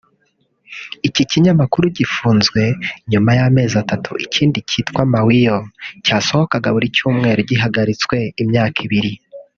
Iki kinyamakuru gifunzwe nyuma y’amezi atatu ikindi cyitwa ’Mawio’ cyasohokaga buri cyumweru gihagaritswe imyaka ibiri